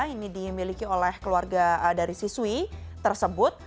ini dimiliki oleh keluarga dari siswi tersebut